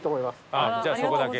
ああじゃあそこだけ。